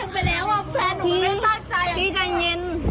ไม่ได้ตั้งใจทีหลังยังง่วง